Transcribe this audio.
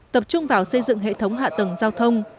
tập trung vào xây dựng hệ thống hạ tầng giao thông